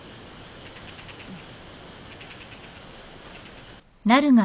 うん。